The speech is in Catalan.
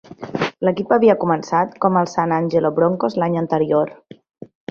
L'equip havia començat com el San Angelo Bronchos l'any anterior.